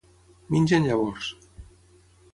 Mengen llavors.